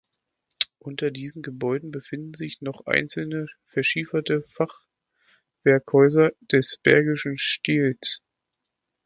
Unter diesen Gebäuden befinden sind noch einzelne verschieferte Fachwerkhäuser des Bergischen Stils.